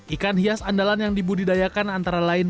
ikan hias andalan yang dibudidayakan antara lain